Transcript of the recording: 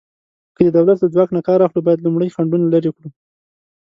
که د دولت له ځواک نه کار اخلو، باید لومړی خنډونه لرې کړو.